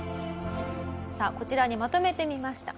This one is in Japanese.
さあこちらにまとめてみました。